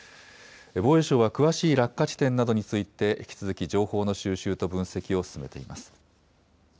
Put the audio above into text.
防衛省は詳しい落下地点などについて引き続き情報の収集と分析を進めています。